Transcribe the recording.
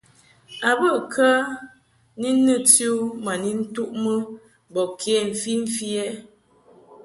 A bə kə ni nɨti u ma ni ntuʼmɨ bɔ ke mfimfi ɛ ?